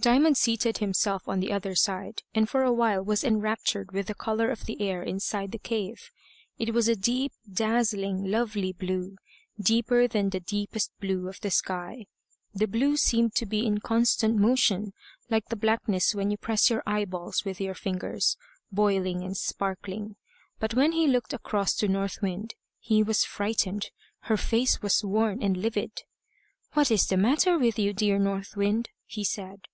Diamond seated himself on the other side, and for a while was enraptured with the colour of the air inside the cave. It was a deep, dazzling, lovely blue, deeper than the deepest blue of the sky. The blue seemed to be in constant motion, like the blackness when you press your eyeballs with your fingers, boiling and sparkling. But when he looked across to North Wind he was frightened; her face was worn and livid. "What is the matter with you, dear North Wind?" he said.